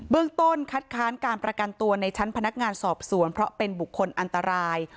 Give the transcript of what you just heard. เรื่องต้นคัดค้านการประกันตัวในชั้นพนักงานสอบสวนเพราะเป็นบุคคลอันตราย